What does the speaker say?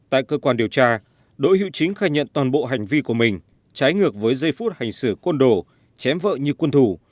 tại cơ quan điều tra đỗ hữu chính khai nhận toàn bộ hành vi của mình trái ngược với giây phút hành xử côn đồ chém vợ như quân thủ